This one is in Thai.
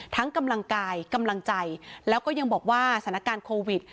กำลังกายกำลังใจแล้วก็ยังบอกว่าสถานการณ์โควิด